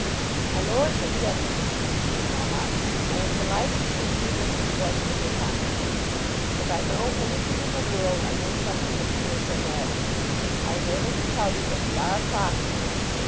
"My Lords and Gentlemen," continued Melmotte, "I am delighted to receive this expression of your confidence. If I know anything in the world I know something of commercial matters. I am able to tell you that we are prospering.